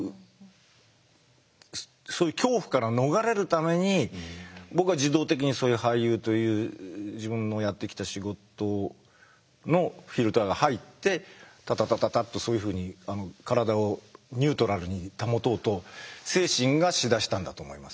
そういう恐怖から逃れるために僕は自動的にそういう俳優という自分のやってきた仕事のフィルターが入ってタタタタタっとそういうふうに体をニュートラルに保とうと精神がしだしたんだと思います。